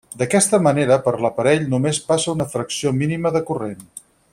D'aquesta manera per l'aparell només passa una fracció mínima de corrent.